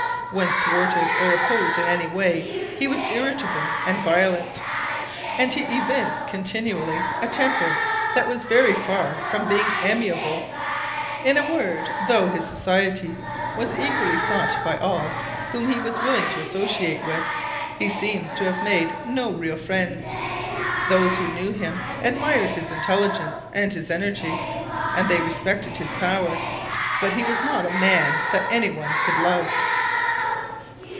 When thwarted or opposed in any way he was irritable and violent, and he evinced continually a temper that was very far from being amiable. In a word, though his society was eagerly sought by all whom he was willing to associate with, he seems to have made no real friends. Those who knew him admired his intelligence and his energy, and they respected his power, but he was not a man that any one could love.